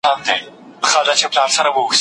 ما یوه شېبه لا بله ځنډولای